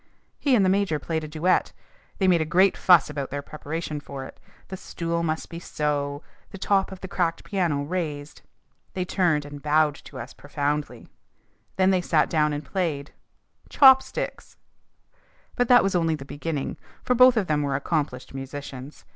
He and the major played a duet. They made a great fuss about their preparation for it. The stool must be so, the top of the cracked piano raised. They turned and bowed to us profoundly. Then sat down and played CHOP STICKS! But that was only the beginning. For both of them were accomplished musicians.